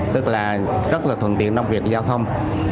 tức là rất là thuận tiện trong việc giao thông